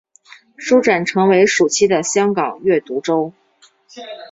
书展成为暑期的香港阅读周。